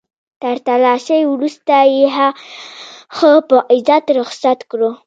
تر تلاشۍ وروسته يې ښه په عزت رخصت کړو.